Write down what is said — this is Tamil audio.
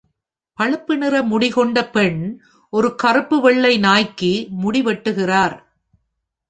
பழுப்பு நிற முடி கொண்ட பெண் ஒரு கருப்பு வெள்ளைை நாய்க்கு முடி வெட்டுகிறார்.